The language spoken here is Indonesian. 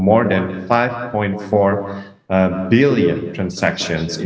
menjadi lebih dari lima empat juta transaksi